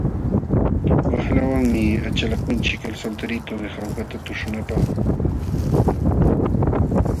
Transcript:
Waqlawanmi achalakunchik El solterito de jaujata tuhunapaq.